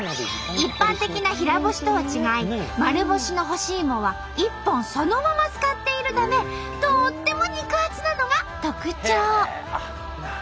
一般的な平干しとは違い丸干しの干しいもは一本そのまま使っているためとっても肉厚なのが特徴。